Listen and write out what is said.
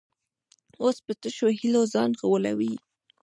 اوس په تشو هیلو ځان غولوي.